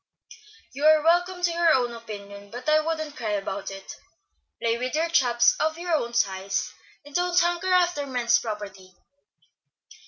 "You are welcome to your opinion, but I wouldn't cry about it. Play with chaps of your own size and don't hanker after men's property.